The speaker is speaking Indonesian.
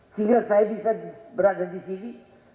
sehingga saya bisa berada di sini